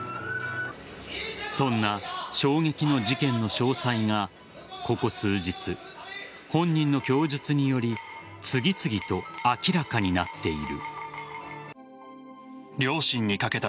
そんな衝撃の事件の詳細がここ数日、本人の供述により次々と明らかになっている。